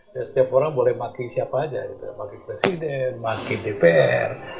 dan setiap orang boleh makin siapa saja makin presiden makin dpr